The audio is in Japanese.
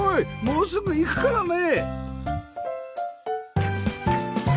もうすぐ行くからね！